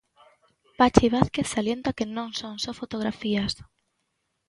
Pachi Vázquez salienta que "non son só fotografías".